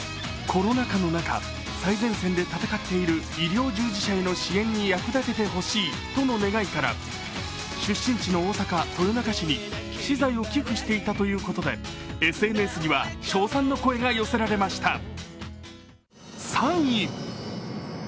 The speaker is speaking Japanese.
コロナ禍の中、最前線で戦っている医療従事者への支援に役立ててほしいとの願いから出身地の大阪・豊中市に私財を寄付していたということでＳＮＳには賞賛の声が寄せられました。